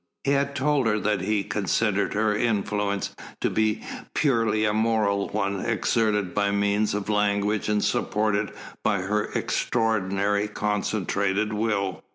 He had told her that he considered her influence to be purely a moral one, exerted by means of language and supported by her extraordinary concentrated will.